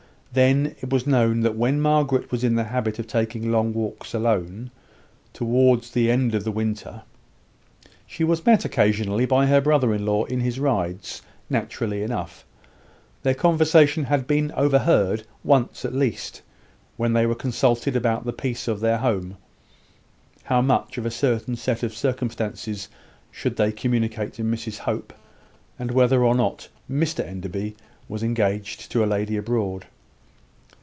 Then, it was known that when Margaret was in the habit of taking long walks alone, towards the end of the winter, she was met occasionally by her brother in law in his rides naturally enough. Their conversation had been overheard, once at least, when they consulted about the peace of their home how much of a certain set of circumstances they should communicate to Mrs Hope, and whether or not Mr Enderby was engaged to a lady abroad.